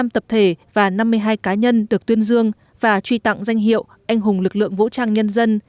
một mươi năm tập thể và năm mươi hai cá nhân được tuyên dương và truy tặng danh hiệu anh hùng lực lượng vũ trang nhân dân